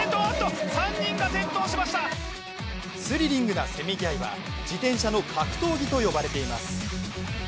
スリリングなせめぎ合いは自転車の格闘技と呼ばれています。